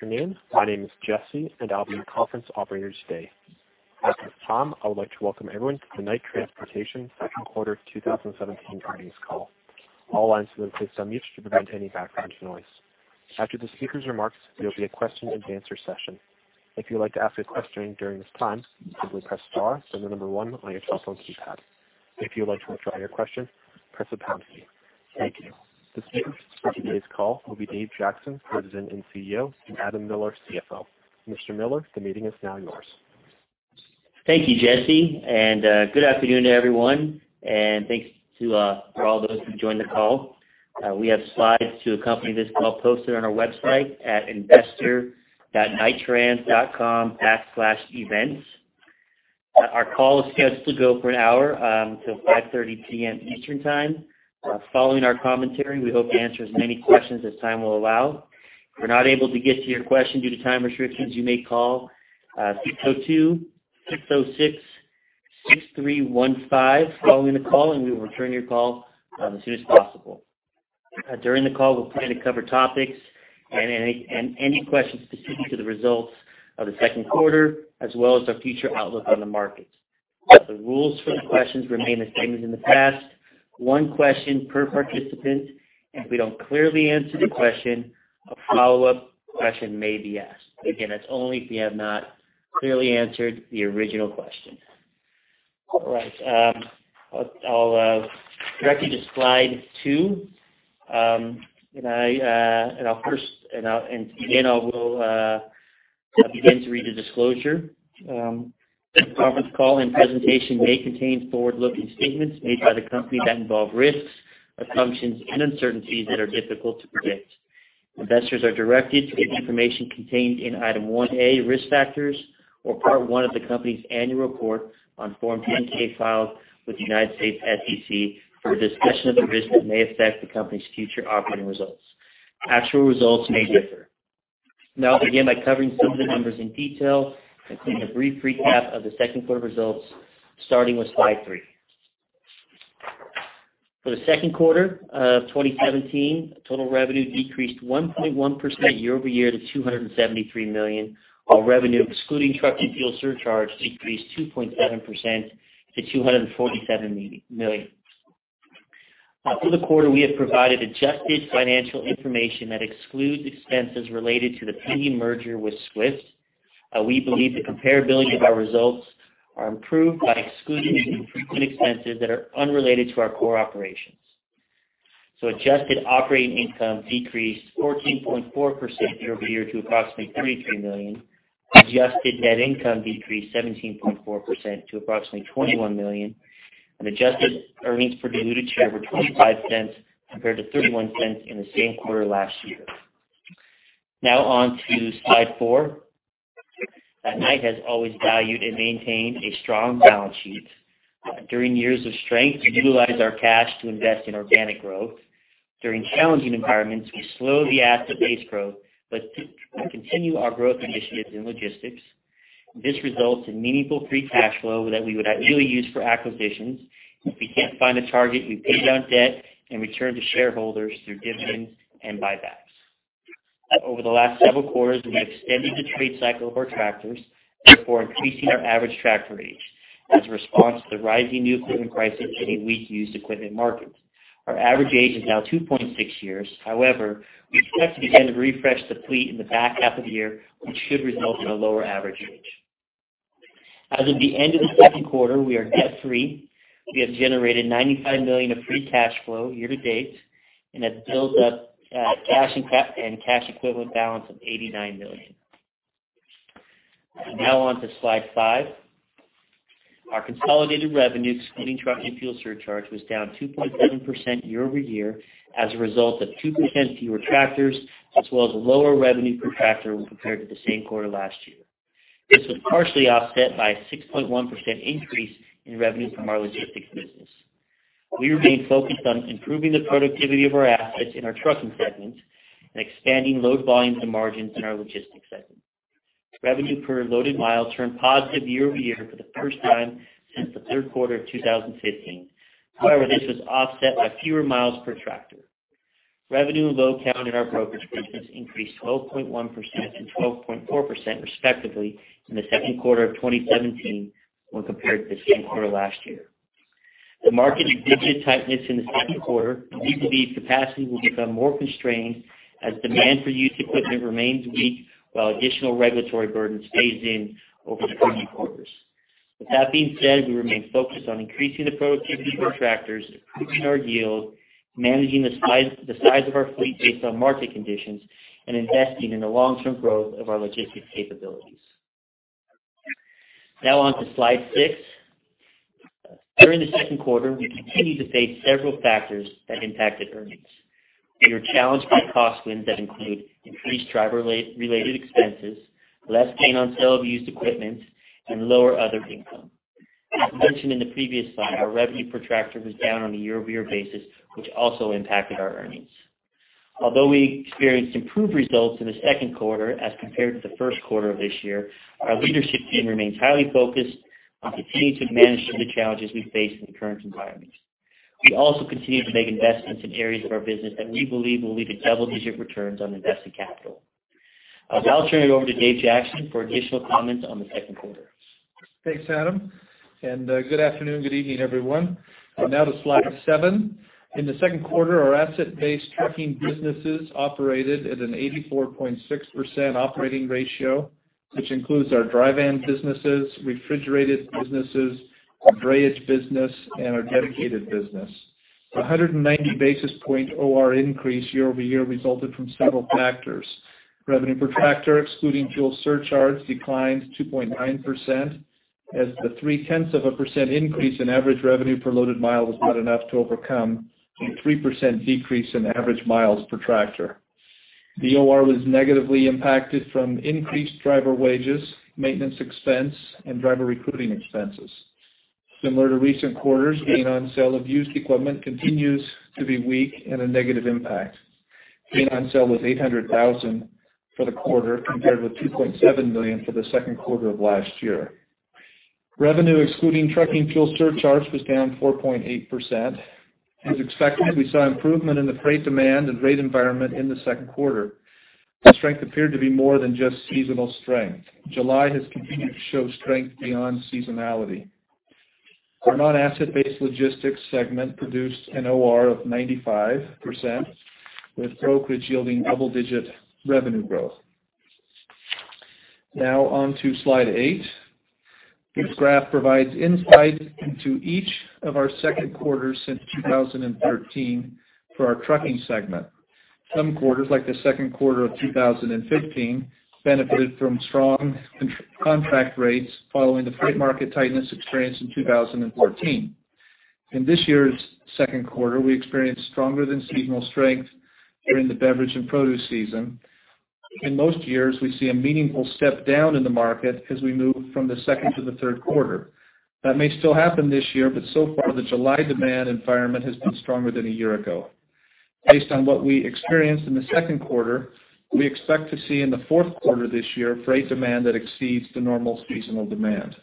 Good afternoon. My name is Jesse, and I'll be your conference operator today. At this time, I would like to welcome everyone to the Knight Transportation Q2 2017 earnings call. All lines will please on mute to prevent any background noise. After the speaker's remarks, there will be a question-and-answer session. If you'd like to ask a question during this time, simply press star, then the number one on your telephone keypad. If you'd like to withdraw your question, press the pound key. Thank you. The speakers for today's call will be Dave Jackson, President and CEO, and Adam Miller, CFO. Mr. Miller, the meeting is now yours. Thank you, Jesse, and good afternoon to everyone, and thanks for all those who joined the call. We have slides to accompany this call posted on our website at investor.knighttrans.com/events. Our call is scheduled to go for an hour, till 5:30 P.M. Eastern Time. Following our commentary, we hope to answer as many questions as time will allow. If we're not able to get to your question due to time restrictions, you may call 602-606-6315 following the call, and we will return your call as soon as possible. During the call, we'll plan to cover topics and any, and any questions specific to the results of the Q2, as well as our future outlook on the markets. The rules for the questions remain the same as in the past. One question per participant. If we don't clearly answer the question, a follow-up question may be asked. Again, that's only if we have not clearly answered the original question. All right, I'll direct you to slide two. And I will begin to read the disclosure. This conference call and presentation may contain forward-looking statements made by the company that involve risks, assumptions, and uncertainties that are difficult to predict. Investors are directed to the information contained in Item 1A, Risk Factors, or Part One of the company's annual report on Form 10-K, filed with the U.S. SEC, for a discussion of the risks that may affect the company's future operating results. Actual results may differ. Now, I'll begin by covering some of the numbers in detail, including a brief recap of the Q2 results, starting with slide three. For the Q2 of 2017, total revenue decreased 1.1% year-over-year to $273 million, while revenue excluding truck and fuel surcharge decreased 2.7% - $247 million. For the quarter, we have provided adjusted financial information that excludes expenses related to the pending merger with Swift. We believe the comparability of our results are improved by excluding infrequent expenses that are unrelated to our core operations. So adjusted operating income decreased 14.4% year-over-year to approximately $33 million. Adjusted net income decreased 17.4% to approximately $21 million, and adjusted earnings per diluted share were $0.25 compared to $0.31 in the same quarter last year. Now on to slide four. Knight has always valued and maintained a strong balance sheet. During years of strength, we utilize our cash to invest in organic growth. During challenging environments, we slow the asset-based growth, but continue our growth initiatives in logistics. This results in meaningful free cash flow that we would ideally use for acquisitions. If we can't find a target, we pay down debt and return to shareholders through dividends and buybacks. Over the last several quarters, we've extended the trade cycle of our tractors, therefore increasing our average tractor age as a response to the rising new equipment prices and a weak used equipment market. Our average age is now 2.6 years. However, we expect to begin to refresh the fleet in the back half of the year, which should result in a lower average age. As of the end of the Q2, we are debt-free. We have generated $95 million of free cash flow year to date, and that builds up cash and cash equivalent balance of $89 million. Now on to slide five. Our consolidated revenue, excluding truck and fuel surcharge, was down 2.7% year-over-year, as a result of 2% fewer tractors, as well as lower revenue per tractor when compared to the same quarter last year. This was partially offset by a 6.1% increase in revenue from our logistics business. We remain focused on improving the productivity of our assets in our trucking segment and expanding load volumes and margins in our logistics segment. Revenue per loaded mile turned positive year-over-year for the first time since the Q3 of 2015. However, this was offset by fewer miles per tractor. Revenue and load count in our brokerage business increased 12.1% and 12.4%, respectively, in the Q2 of 2017 when compared to the same quarter last year. The market is seeing tightness in the Q2, and we believe capacity will become more constrained as demand for used equipment remains weak, while additional regulatory burden weighs in over the coming quarters. With that being said, we remain focused on increasing the productivity of our tractors, improving our yield, managing the size, the size of our fleet based on market conditions, and investing in the long-term growth of our logistics capabilities. Now on to slide six. During the Q2, we continued to face several factors that impacted earnings. We were challenged by cost headwinds that include increased driver related expenses, less gain on sale of used equipment, and lower other income. As mentioned in the previous slide, our revenue per tractor was down on a year-over-year basis, which also impacted our earnings. Although we experienced improved results in the Q2 as compared to the Q1 of this year, our leadership team remains highly focused on continuing to manage through the challenges we face in the current environment. We also continue to make investments in areas of our business that we believe will lead to double-digit returns on invested capital. Now I'll turn it over to Dave Jackson for additional comments on the Q2. Thanks, Adam, and good afternoon, good evening, everyone. Now to slide seven. In the Q2, our asset-based trucking businesses operated at an 84.6% operating ratio, which includes our Dry Van businesses, Refrigerated businesses, our Drayage business, and our Dedicated business. A 190 basis point OR increase year-over-year resulted from several factors. Revenue per tractor, excluding fuel surcharges, declined 2.9%, as the 0.3% increase in average revenue per loaded mile was not enough to overcome a 3% decrease in average miles per tractor. The OR was negatively impacted from increased driver wages, maintenance expense, and driver recruiting expenses. Similar to recent quarters, gain on sale of used equipment continues to be weak and a negative impact. Gain on sale was $800,000 for the quarter, compared with $2.7 million for the Q2 of last year. Revenue, excluding trucking fuel surcharge, was down 4.8%. As expected, we saw improvement in the freight demand and rate environment in the Q2. The strength appeared to be more than just seasonal strength. July has continued to show strength beyond seasonality. Our non-asset-based logistics segment produced an OR of 95%, with brokerage yielding double-digit revenue growth. Now on to slide eight. This graph provides insight into each of our Q2 since 2013 for our trucking segment. Some quarters, like the Q2 of 2015, benefited from strong contract rates following the freight market tightness experienced in 2014. In this year's Q2, we experienced stronger than seasonal strength during the beverage and produce season. In most years, we see a meaningful step down in the market as we move from the second to the Q3. That may still happen this year, but so far, the July demand environment has been stronger than a year ago. Based on what we experienced in the Q2, we expect to see in the Q4 this year, freight demand that exceeds the normal seasonal demand.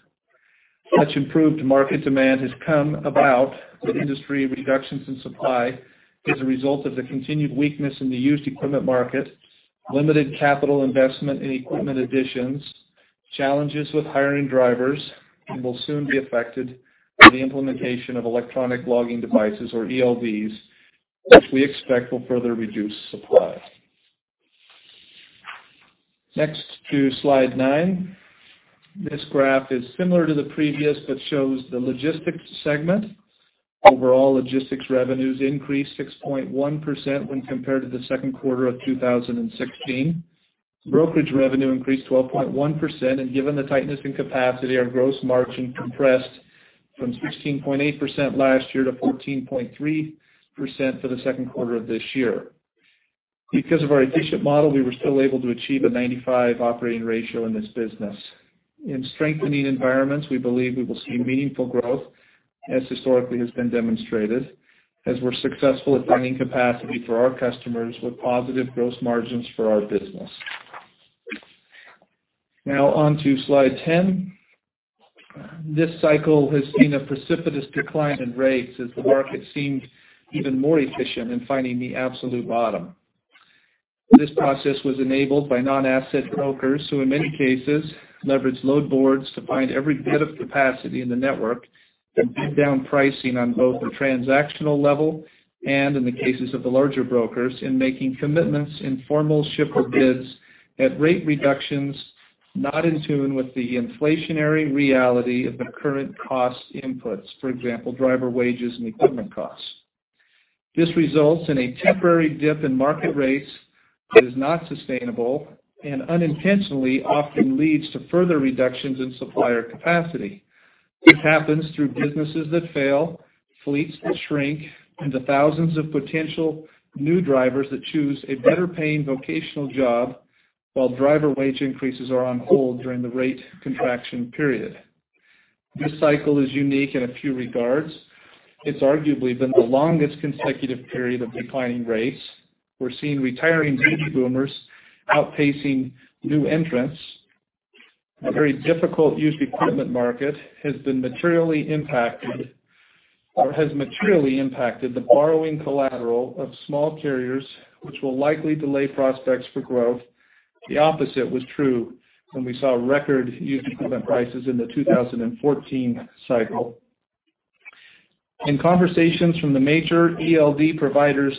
Such improved market demand has come about with industry reductions in supply as a result of the continued weakness in the used equipment market, limited capital investment in equipment additions, challenges with hiring drivers, and will soon be affected by the implementation of electronic logging devices, or ELDs, which we expect will further reduce supply. Next to slide nine. This graph is similar to the previous, but shows the logistics segment. Overall, logistics revenues increased 6.1% when compared to the Q2 of 2016. Brokerage revenue increased 12.1%, and given the tightness in capacity, our gross margin compressed from 16.8% last year to 14.3% for the Q2 of this year. Because of our efficient model, we were still able to achieve a 95 operating ratio in this business. In strengthening environments, we believe we will see meaningful growth, as historically has been demonstrated, as we're successful at finding capacity for our customers with positive gross margins for our business. Now on to slide 10. This cycle has seen a precipitous decline in rates as the market seemed even more efficient in finding the absolute bottom. This process was enabled by non-asset brokers, who, in many cases, leveraged load boards to find every bit of capacity in the network and bid down pricing on both the transactional level, and in the cases of the larger brokers, in making commitments in formal shipper bids at rate reductions, not in tune with the inflationary reality of the current cost inputs. For example, driver wages and equipment costs. This results in a temporary dip in market rates that is not sustainable, and unintentionally, often leads to further reductions in supplier capacity. This happens through businesses that fail, fleets that shrink, and the thousands of potential new drivers that choose a better-paying vocational job while driver wage increases are on hold during the rate contraction period. This cycle is unique in a few regards. It's arguably been the longest consecutive period of declining rates. We're seeing retiring baby boomers outpacing new entrants. A very difficult used equipment market has been materially impacted, or has materially impacted the borrowing collateral of small carriers, which will likely delay prospects for growth. The opposite was true when we saw record used equipment prices in the 2014 cycle. In conversations from the major ELD providers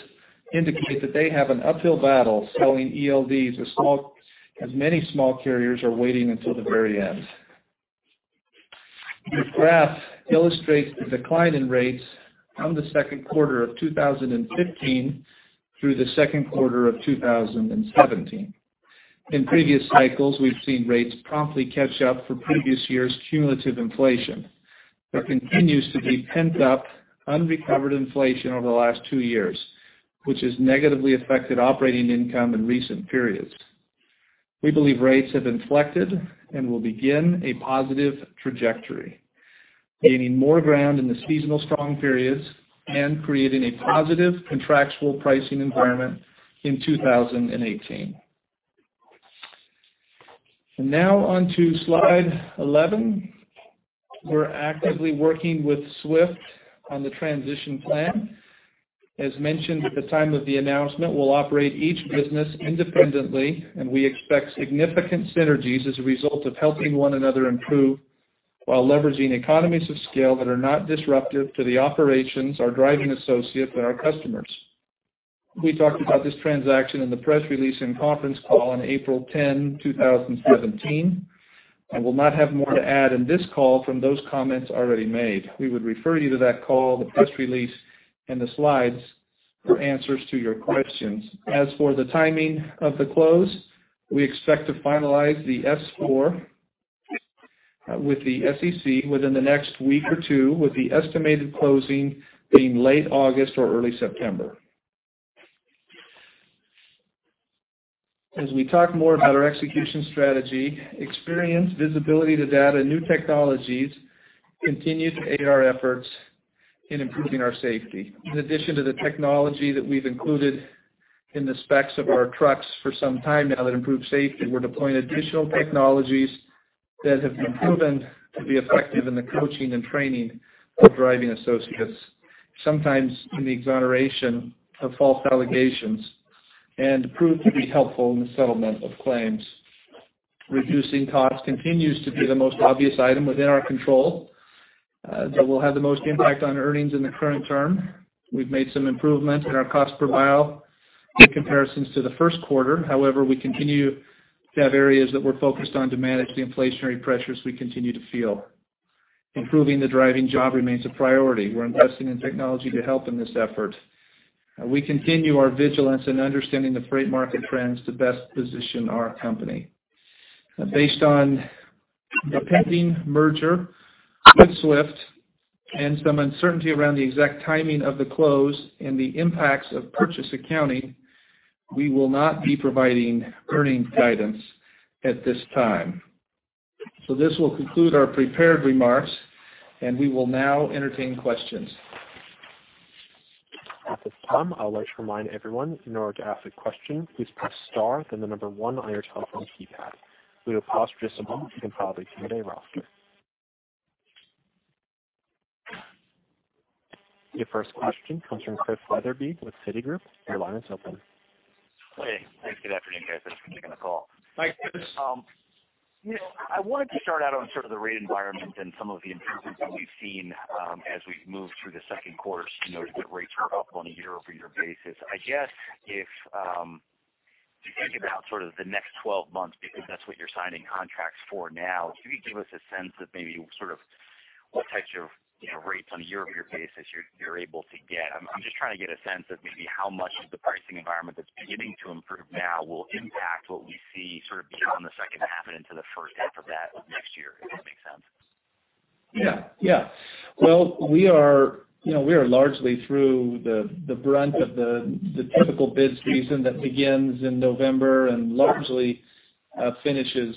indicate that they have an uphill battle selling ELDs to small, as many small carriers are waiting until the very end. This graph illustrates the decline in rates from the Q2 of 2015 through the Q2 of 2017. In previous cycles, we've seen rates promptly catch up for previous years' cumulative inflation. There continues to be pent-up, unrecovered inflation over the last two years, which has negatively affected operating income in recent periods. We believe rates have inflected and will begin a positive trajectory, gaining more ground in the seasonal strong periods and creating a positive contractual pricing environment in 2018. Now on to slide 11. We're actively working with Swift on the transition plan. As mentioned at the time of the announcement, we'll operate each business independently, and we expect significant synergies as a result of helping one another improve, while leveraging economies of scale that are not disruptive to the operations, our driving associates, and our customers. We talked about this transaction in the press release and conference call on April 10, 2017. I will not have more to add in this call from those comments already made. We would refer you to that call, the press release, and the slides for answers to your questions. As for the timing of the close, we expect to finalize the S-4 with the SEC within the next week or two, with the estimated closing being late August or early September. As we talk more about our execution strategy, experience, visibility to data, new technologies continue to aid our efforts in improving our safety. In addition to the technology that we've included in the specs of our trucks for some time now that improve safety, we're deploying additional technologies that have been proven to be effective in the coaching and training of driving associates, sometimes in the exoneration of false allegations, and proved to be helpful in the settlement of claims. Reducing costs continues to be the most obvious item within our control that will have the most impact on earnings in the current term. We've made some improvement in our cost per mile in comparisons to the Q1. However, we continue to have areas that we're focused on to manage the inflationary pressures we continue to feel. Improving the driving job remains a priority. We're investing in technology to help in this effort. We continue our vigilance in understanding the freight market trends to best position our company. Based on the pending merger with Swift and some uncertainty around the exact timing of the close and the impacts of purchase accounting, we will not be providing earnings guidance at this time. So this will conclude our prepared remarks, and we will now entertain questions. At this time, I would like to remind everyone, in order to ask a question, please press star, then the number one on your telephone keypad. We will pause for just a moment, and probably come to the roster. Your first question comes from Chris Wetherbee with Citigroup. Your line is open. Hey, thanks. Good afternoon, guys. Thanks for taking the call. Hi, Chris. You know, I wanted to start out on sort of the rate environment and some of the improvements that we've seen, as we've moved through the Q2. You know, good rates are up on a year-over-year basis. I guess if you think about sort of the next 12 months, because that's what you're signing contracts for now, can you give us a sense of maybe sort of what types of, you know, rates on a year-over-year basis you're, you're able to get? I'm just trying to get a sense of maybe how much of the pricing environment that's beginning to improve now will impact what we see sort of beyond the second half and into the first half of that of next year, if that makes sense. Yeah. Yeah. Well, we are, you know, we are largely through the brunt of the typical bid season that begins in November and largely finishes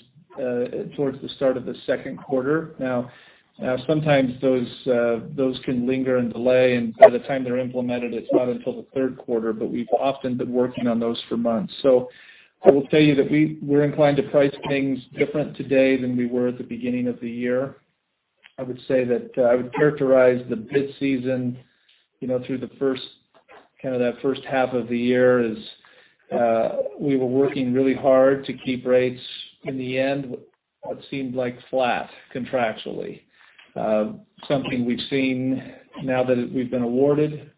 towards the start of the Q2. Now, sometimes those can linger and delay, and by the time they're implemented, it's not until the Q3, but we've often been working on those for months. So I will tell you that we're inclined to price things different today than we were at the beginning of the year. I would say that I would characterize the bid season, you know, through the first, kind of that first half of the year, as we were working really hard to keep rates in the end, what seemed like flat contractually. Something we've seen now that we've been awarded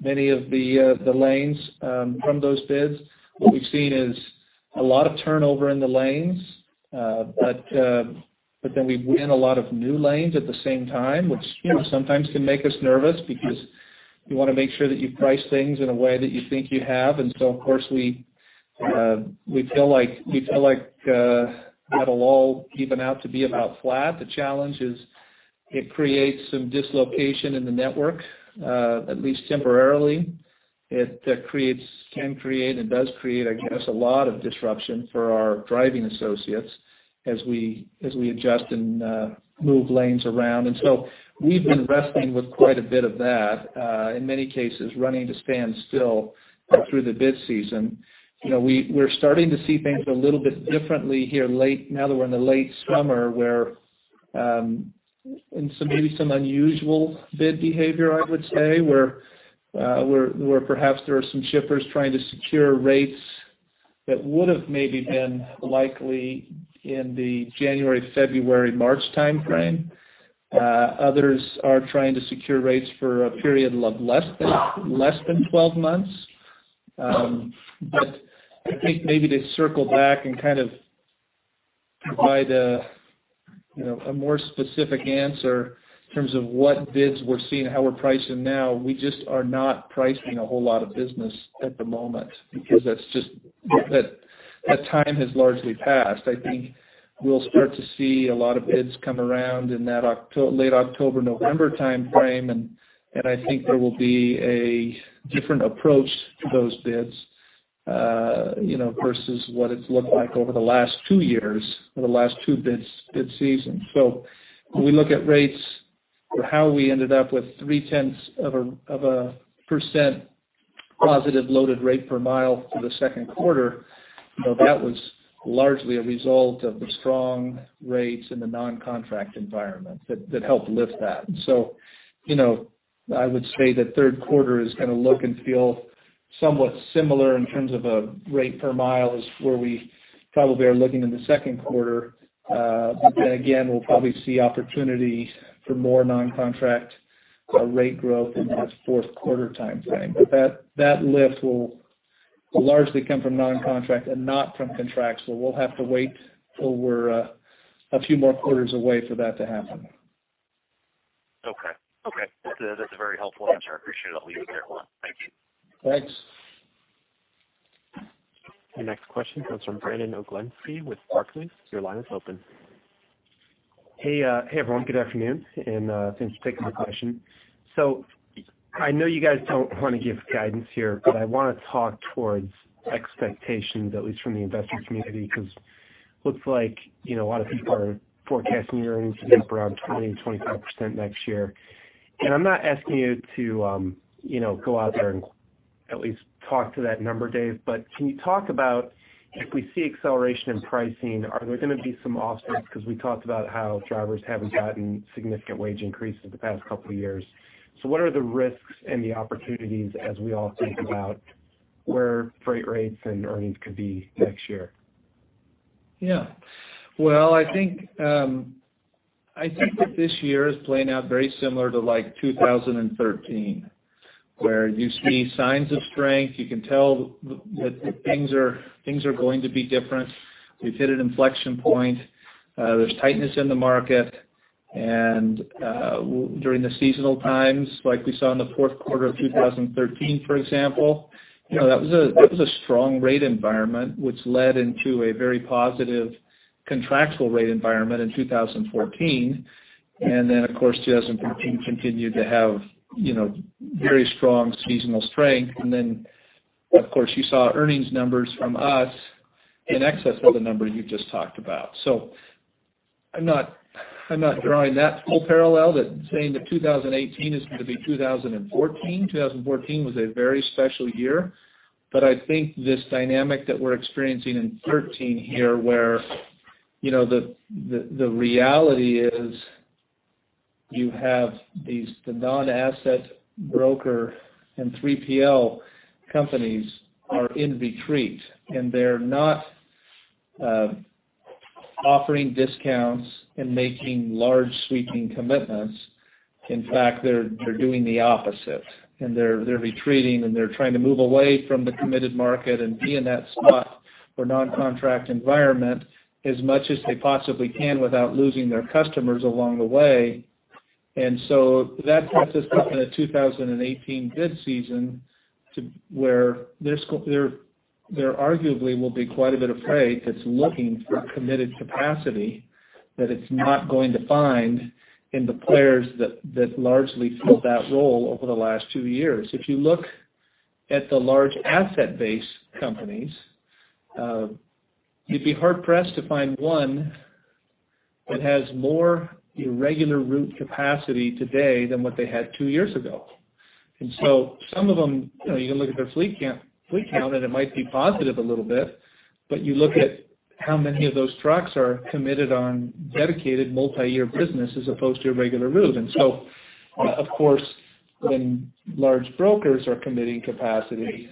many of the lanes from those bids, what we've seen is a lot of turnover in the lanes. But then we win a lot of new lanes at the same time, which, you know, sometimes can make us nervous because you want to make sure that you price things in a way that you think you have. And so, of course, we, we feel like, we feel like, that'll all even out to be about flat. The challenge is it creates some dislocation in the network, at least temporarily. It creates, can create and does create, I guess, a lot of disruption for our driving associates as we, as we adjust and move lanes around. And so we've been wrestling with quite a bit of that, in many cases, running to stand still through the bid season. You know, we're starting to see things a little bit differently here, late now that we're in the late summer, where, maybe some unusual bid behavior, I would say, where perhaps there are some shippers trying to secure rates that would have maybe been likely in the January, February, March timeframe. Others are trying to secure rates for a period of less than 12 months. But I think maybe to circle back and kind of provide a, you know, a more specific answer in terms of what bids we're seeing and how we're pricing now, we just are not pricing a whole lot of business at the moment, because that's just that time has largely passed. I think we'll start to see a lot of bids come around in that late October, November timeframe, and I think there will be a different approach to those bids, you know, versus what it's looked like over the last two years, or the last two bid seasons. So when we look at rates for how we ended up with 0.3%... Positive loaded rate per mi for the Q2, you know, that was largely a result of the strong rates in the non-contract environment that helped lift that. So, you know, I would say the Q3 is going to look and feel somewhat similar in terms of a rate per mi as where we probably are looking in the Q2. But then again, we'll probably see opportunity for more non-contract rate growth in that Q4 timeframe. But that lift will largely come from non-contract and not from contractual. We'll have to wait till we're a few more quarters away for that to happen. Okay. Okay, that's a, that's a very helpful answer. I appreciate it. I'll leave it there. Thank you. Thanks. Your next question comes from Brandon Oglenski with Barclays. Your line is open. Hey, hey, everyone. Good afternoon, and thanks for taking my question. So I know you guys don't want to give guidance here, but I want to talk towards expectations, at least from the investment community, because looks like, you know, a lot of people are forecasting earnings to be up around 20%-25% next year. And I'm not asking you to, you know, go out there and at least talk to that number, Dave, but can you talk about if we see acceleration in pricing, are there going to be some offsets? Because we talked about how drivers haven't gotten significant wage increases the past couple of years. So what are the risks and the opportunities as we all think about where freight rates and earnings could be next year? Yeah. Well, I think, I think that this year is playing out very similar to, like, 2013, where you see signs of strength. You can tell that things are, things are going to be different. We've hit an inflection point. There's tightness in the market, and, during the seasonal times, like we saw in the Q4 of 2013, for example, you know, that was a, that was a strong rate environment, which led into a very positive contractual rate environment in 2014. And then, of course, 2015 continued to have, you know, very strong seasonal strength. And then, of course, you saw earnings numbers from us in excess of the number you just talked about. So I'm not, I'm not drawing that full parallel by saying that 2018 is going to be 2014. 2014 was a very special year. But I think this dynamic that we're experiencing in 2013 here, where, you know, the reality is, you have these non-asset broker and 3PL companies are in retreat, and they're not offering discounts and making large, sweeping commitments. In fact, they're doing the opposite, and they're retreating, and they're trying to move away from the committed market and be in that spot, for non-contract environment as much as they possibly can without losing their customers along the way. That sets us up in a 2018 bid season to where there's arguably quite a bit of freight that's looking for committed capacity that it's not going to find in the players that largely filled that role over the last two years. If you look at the large asset base companies, you'd be hard pressed to find one that has more irregular route capacity today than what they had two years ago. And so some of them, you know, you can look at their fleet count, and it might be positive a little bit, but you look at how many of those trucks are committed on dedicated multi-year business as opposed to irregular route. And so, of course, when large brokers are committing capacity,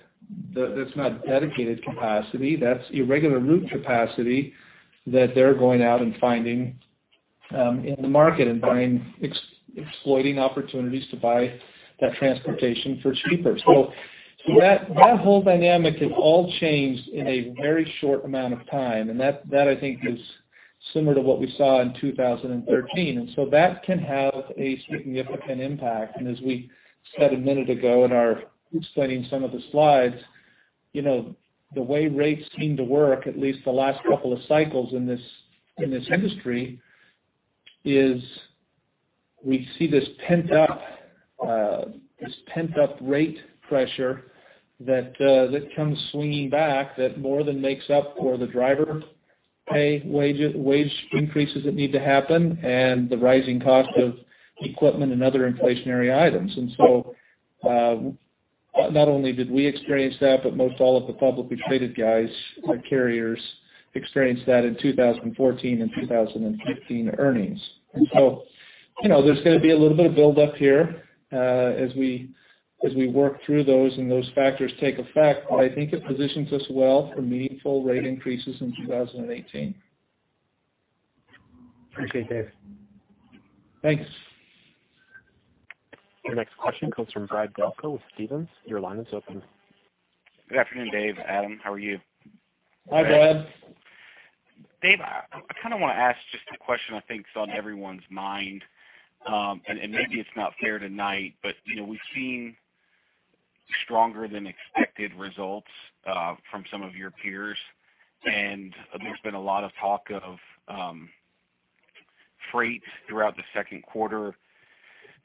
that's not dedicated capacity, that's irregular route capacity that they're going out and finding in the market and buying, exploiting opportunities to buy that transportation for cheaper. So that, that whole dynamic has all changed in a very short amount of time, and that, that, I think, is similar to what we saw in 2013. And so that can have a significant impact. And as we said a minute ago in our explaining some of the slides, you know, the way rates seem to work, at least the last couple of cycles in this, in this industry, is we see this pent up, this pent up rate pressure that, that comes swinging back, that more than makes up for the driver pay, wages, wage increases that need to happen and the rising cost of equipment and other inflationary items. And so, not only did we experience that, but most all of the publicly traded guys, like carriers, experienced that in 2014 and 2015 earnings. And so, you know, there's going to be a little bit of build up here, as we, as we work through those and those factors take effect, but I think it positions us well for meaningful rate increases in 2018. Appreciate it, Dave. Thanks. Your next question comes from Brad Delco with Stephens. Your line is open. Good afternoon, Dave, Adam. How are you? Hi, Brad. Dave, I kind of want to ask just a question I think is on everyone's mind, and maybe it's not fair to Knight, but you know, we've seen stronger than expected results from some of your peers, and there's been a lot of talk of freight throughout the Q2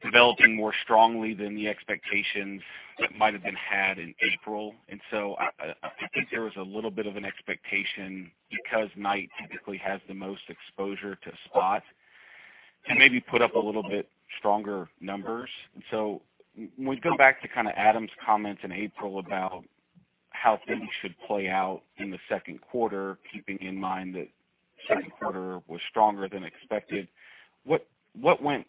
developing more strongly than the expectations that might have been had in April. And so I think there was a little bit of an expectation because Knight typically has the most exposure to spot... and maybe put up a little bit stronger numbers. So when we go back to kind of Adam's comments in April about how things should play out in the Q2 keeping in mind that Q2 was stronger than expected, what went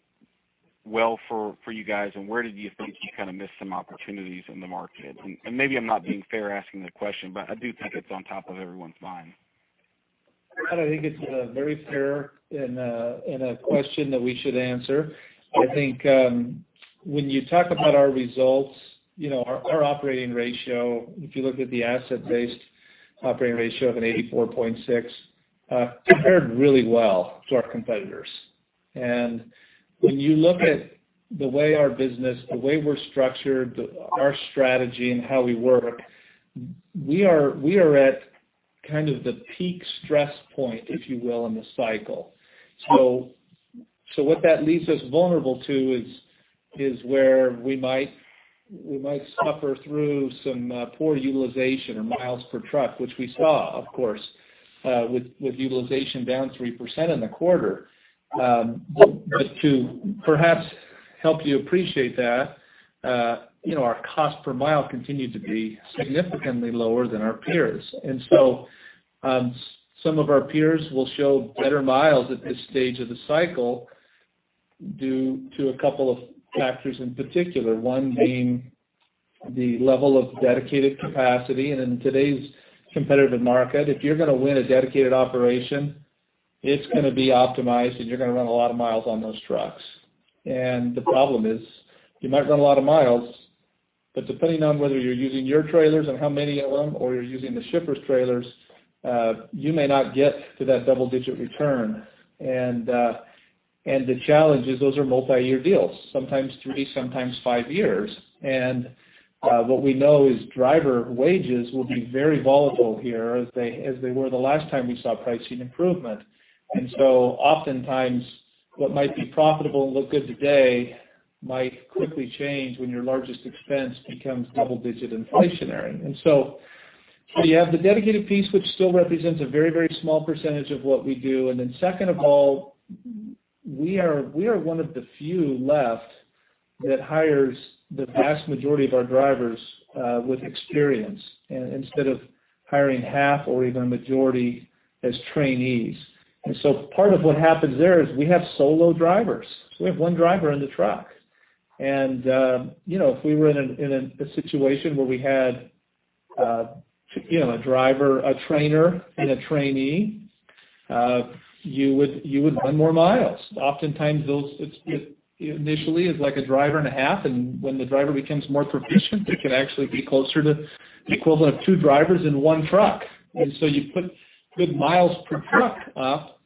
well for you guys? Where did you think you kind of missed some opportunities in the market? And, maybe I'm not being fair asking the question, but I do think it's on top of everyone's mind. I think it's very fair and a question that we should answer. I think when you talk about our results, you know, our operating ratio, if you look at the asset-based operating ratio of 84.6, compared really well to our competitors. And when you look at the way our business, the way we're structured, our strategy and how we work, we are at kind of the peak stress point, if you will, in the cycle. So what that leaves us vulnerable to is where we might suffer through some poor utilization or mi per truck, which we saw, of course, with utilization down 3% in the quarter. But to perhaps help you appreciate that, you know, our cost per mi continued to be significantly lower than our peers. Some of our peers will show better miles at this stage of the cycle due to a couple of factors, in particular, one being the level of dedicated capacity. In today's competitive market, if you're going to win a dedicated operation, it's going to be optimized, and you're going to run a lot of miles on those trucks. The problem is, you might run a lot of miles, but depending on whether you're using your trailers and how many of them, or you're using the shipper's trailers, you may not get to that double-digit return. The challenge is those are multiyear deals, sometimes three, sometimes five years. What we know is driver wages will be very volatile here as they were the last time we saw pricing improvement. Oftentimes, what might be profitable and look good today might quickly change when your largest expense becomes double-digit inflationary. You have the dedicated piece, which still represents a very, very small percentage of what we do. And then second of all, we are one of the few left that hires the vast majority of our drivers with experience instead of hiring half or even a majority as trainees. Part of what happens there is we have solo drivers. We have one driver in the truck. You know, if we were in a situation where we had you know a driver, a trainer, and a trainee, you would run more miles. Oftentimes, it's initially like a driver and a half, and when the driver becomes more proficient, it can actually be closer to the equivalent of two drivers in one truck. And so you put good miles per truck up,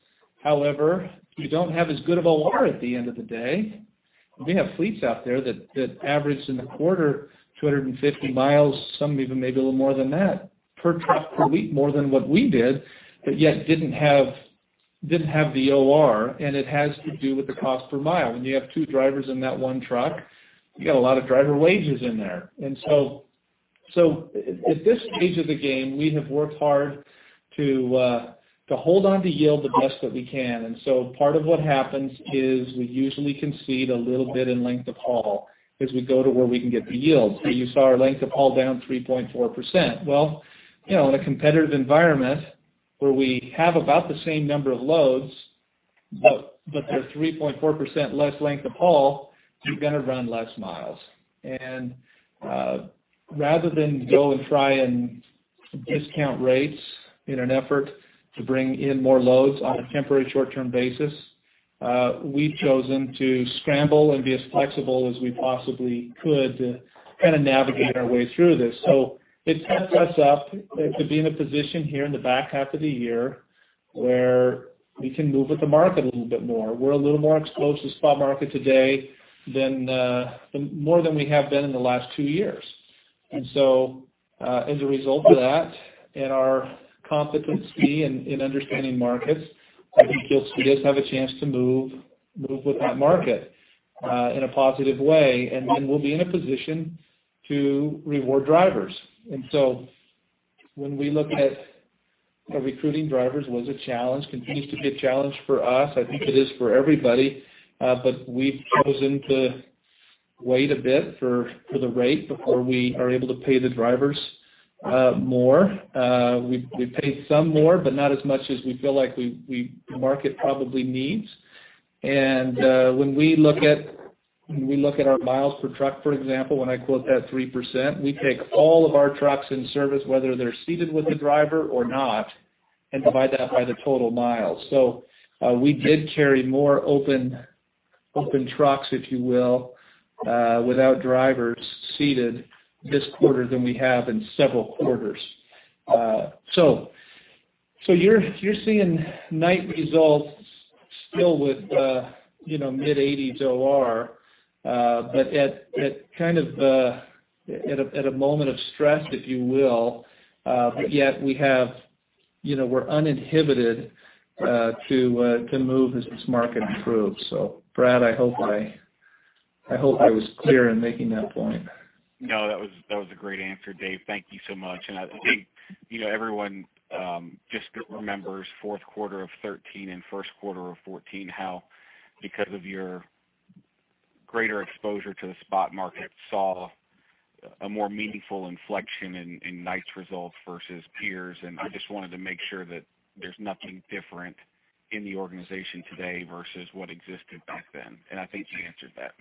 however, you don't have as good of OR at the end of the day. We have fleets out there that average in the quarter 250 mi, some even maybe a little more than that, per truck per week, more than what we did, but yet didn't have the OR, and it has to do with the cost per mi. When you have two drivers in that one truck, you got a lot of driver wages in there. And so at this stage of the game, we have worked hard to hold on to yield the best that we can. And so part of what happens is we usually concede a little bit in length of haul as we go to where we can get the yield. So you saw our length of haul down 3.4%. Well, you know, in a competitive environment where we have about the same number of loads, but they're 3.4% less length of haul, you're going to run less miles. And rather than go and try and discount rates in an effort to bring in more loads on a temporary short-term basis, we've chosen to scramble and be as flexible as we possibly could to kind of navigate our way through this. So it sets us up to be in a position here in the back half of the year, where we can move with the market a little bit more. We're a little more exposed to the spot market today than more than we have been in the last two years. And so, as a result of that and our competency in understanding markets, I think we just have a chance to move with that market in a positive way, and then we'll be in a position to reward drivers. And so when we look at recruiting drivers was a challenge, continues to be a challenge for us. I think it is for everybody, but we've chosen to wait a bit for the rate before we are able to pay the drivers more. We paid some more, but not as much as we feel like the market probably needs. When we look at our miles per truck, for example, when I quote that 3%, we take all of our trucks in service, whether they're seated with the driver or not, and divide that by the total miles. So, we did carry more open trucks, if you will, without drivers seated this quarter than we have in several quarters. So, you're seeing Knight results still with, you know, mid-eighties OR, but at kind of, at a moment of stress, if you will, but yet we have, you know, we're uninhibited, to move as this market improves. So Brad, I hope I was clear in making that point. No, that was, that was a great answer, Dave. Thank you so much. And I think, you know, everyone, just remembers Q4 of 2013 and Q1 of 2014, how because of your greater exposure to the spot market, saw a more meaningful inflection in, in nice results versus peers. And I just wanted to make sure that there's nothing different in the organization today versus what existed back then, and I think you answered that.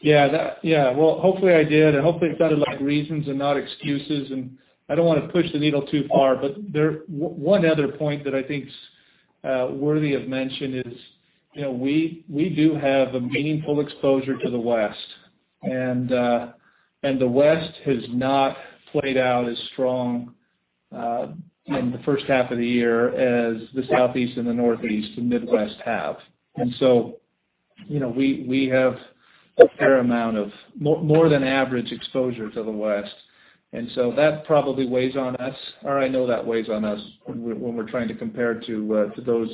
Yeah, yeah. Well, hopefully, I did. I hope they sounded like reasons and not excuses, and I don't want to push the needle too far, but there is one other point that I think's worthy of mention is, you know, we do have a meaningful exposure to the West, and the West has not played out as strong in the first half of the year as the Southeast and the Northeast, and Midwest have. And so, you know, we have a fair amount of more, more than average exposure to the West. And so that probably weighs on us, or I know that weighs on us when we're trying to compare to those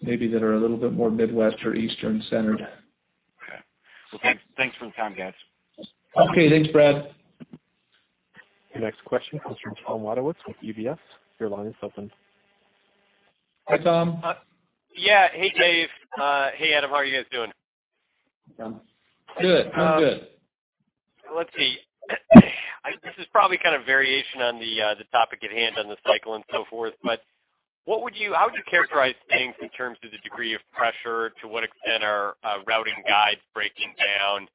maybe that are a little bit more Midwest or Eastern centered. Okay. Well, thanks, thanks for the time, guys. Okay, thanks, Brad. Your next question comes from Tom Wadewitz with UBS. Your line is open. Hi, Tom. Yeah. Hey, Dave. Hey, Adam. How are you guys doing? Good. I'm good. Let's see. This is probably kind of variation on the topic at hand on the cycle and so forth, but what would you, how would you characterize things in terms of the degree of pressure? To what extent are routing guides breaking down?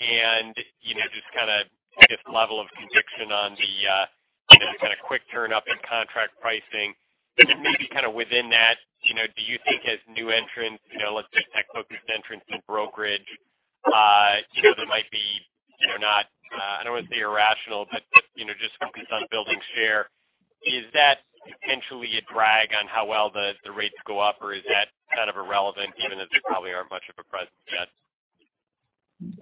And, you know, just kind of, I guess, level of conviction on the, you know, kind of quick turn up in contract pricing. And maybe kind of within that, you know, do you think as new entrants, you know, let's just tech-focused entrants in brokerage, you know, that might be, you know, not, I don't want to say irrational, but, you know, just focused on building share. Is that potentially a drag on how well the rates go up? Or is that kind of irrelevant, even if they probably aren't much of a presence yet?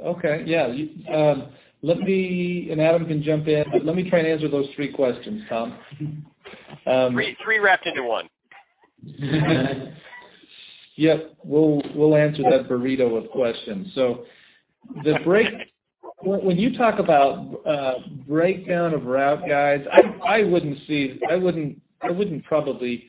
Okay. Yeah. Let me, and Adam can jump in, but let me try and answer those three questions, Tom. 3, 3 wrapped into one. Yep. We'll answer that barrage of questions. So when you talk about breakdown of routing guides, I wouldn't probably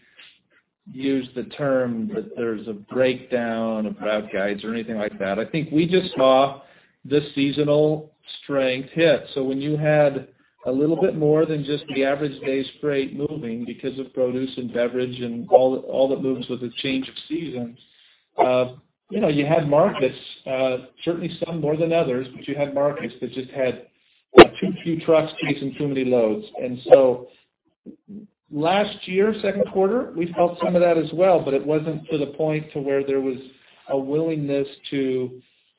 use the term that there's a breakdown of routing guides or anything like that. I think we just saw the seasonal strength hit. So when you had a little bit more than just the average day's freight moving because of produce and beverage and all that moves with a change of season, you know, you had markets, certainly some more than others, but you had markets that just had too few trucks chasing too many loads. And so last year, Q2, we felt some of that as well, but it wasn't to the point where there was a willingness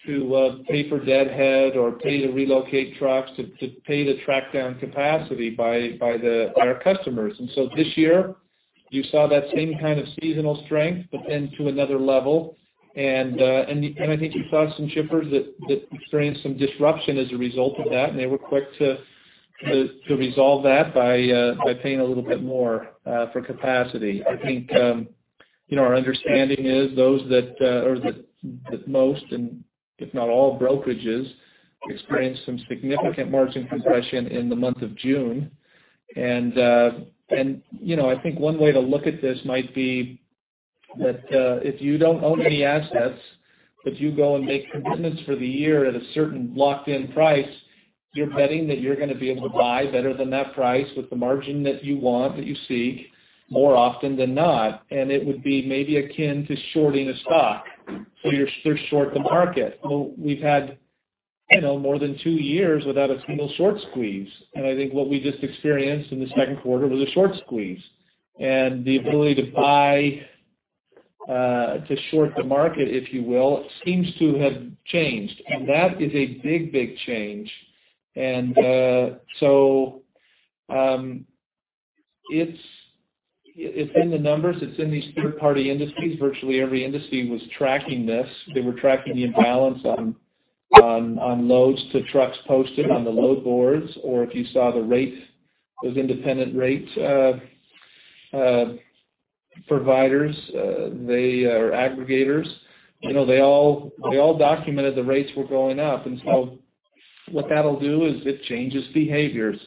to pay for deadhead or pay to relocate trucks, to pay to track down capacity by our customers. And so this year, you saw that same kind of seasonal strength, but then to another level. And I think you saw some shippers that experienced some disruption as a result of that, and they were quick to resolve that by paying a little bit more for capacity. I think, you know, our understanding is those that, or that most, and if not all brokerages, experienced some significant margin compression in the month of June. You know, I think one way to look at this might be that, if you don't own any assets, if you go and make commitments for the year at a certain locked-in price, you're betting that you're going to be able to buy better than that price with the margin that you want, that you seek more often than not. And it would be maybe akin to shorting a stock, so you're short the market. Well, we've had, you know, more than two years without a single short squeeze. And I think what we just experienced in the Q2 was a short squeeze. And the ability to buy to short the market, if you will, seems to have changed. And that is a big, big change. It's in the numbers, it's in these third-party industries. Virtually every industry was tracking this. They were tracking the imbalance on loads to trucks posted on the load boards, or if you saw the rate, those independent rates providers, they are aggregators. You know, they all documented the rates were going up. And so what that'll do is it changes behaviors.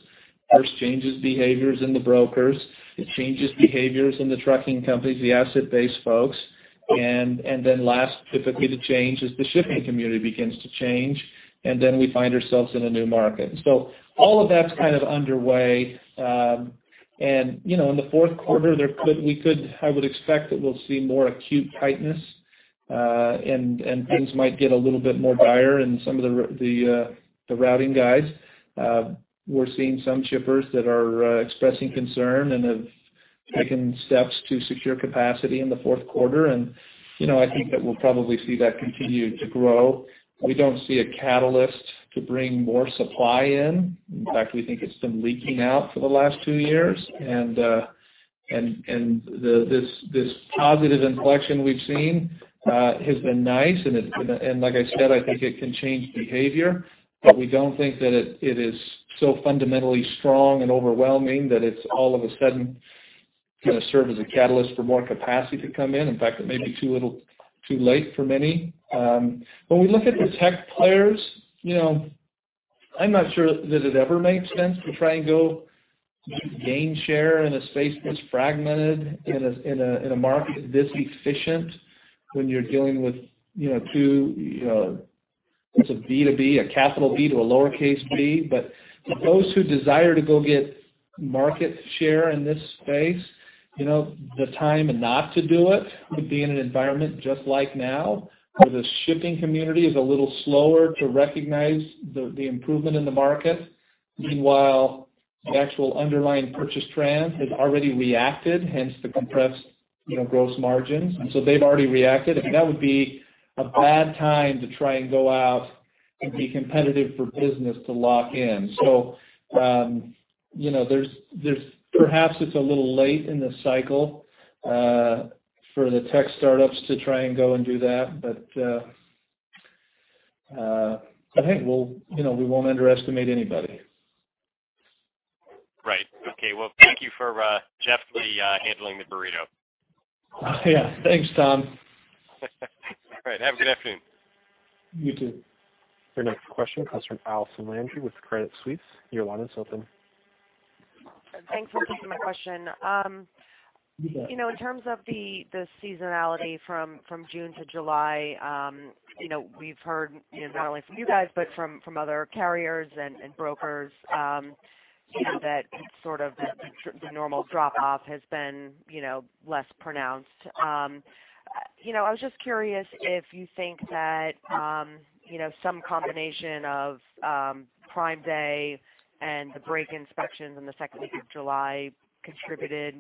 First, changes behaviors in the brokers, it changes behaviors in the trucking companies, the asset-based folks. And then last, typically, to change is the shipping community begins to change, and then we find ourselves in a new market. So all of that's kind of underway. And, you know, in the Q4, I would expect that we'll see more acute tightness, and things might get a little bit more dire in some of the routing guides. We're seeing some shippers that are expressing concern and have taken steps to secure capacity in theQ4. And, you know, I think that we'll probably see that continue to grow. We don't see a catalyst to bring more supply in. In fact, we think it's been leaking out for the last two years. And the positive inflection we've seen has been nice, and like I said, I think it can change behavior, but we don't think that it is so fundamentally strong and overwhelming that it's all of a sudden going to serve as a catalyst for more capacity to come in. In fact, it may be too little, too late for many. When we look at the tech players, you know, I'm not sure that it ever makes sense to try and go gain share in a space that's fragmented in a market this efficient when you're dealing with, you know, two, it's a B to B, a capital B to a lowercase b. But for those who desire to go get market share in this space, you know, the time not to do it would be in an environment just like now, where the shipping community is a little slower to recognize the, the improvement in the market. Meanwhile, the actual underlying purchase trend has already reacted, hence the compressed, you know, gross margins. And so they've already reacted, and that would be a bad time to try and go out and be competitive for business to lock in. So, you know, there's perhaps it's a little late in the cycle for the tech startups to try and go and do that. But, I think we'll, you know, we won't underestimate anybody. Right. Okay, well, thank you for deftly handling the burrito. Yeah. Thanks, Tom. All right. Have a good afternoon. You, too. Your next question comes from Allison Landry with Credit Suisse. Your line is open. Thanks for taking my question. You know, in terms of the seasonality from June to July, you know, we've heard, you know, not only from you guys, but from other carriers and brokers, you know, that sort of the normal drop off has been, you know, less pronounced. You know, I was just curious if you think that, you know, some combination of Prime Day and the brake inspections in the second week of July contributed,